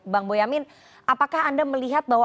bang boyamin apakah anda melihat bahwa